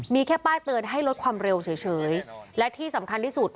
มีแค่ป้ายเตือนให้ลดความเร็วเฉยและที่สำคัญที่สุด